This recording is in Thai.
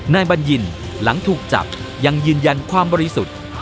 บัญญินหลังถูกจับยังยืนยันความบริสุทธิ์